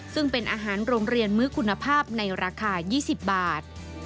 ซึ่งเป็นอาหารโรงเรียนมื้อคุณภาพในราคา๒๐บาท